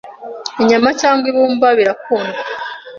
inyama cyangwa ibumba birakundwa